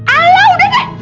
alah udah deh